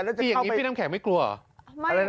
บิ๊พี่น้ำแข็งไม่กลัวหรอ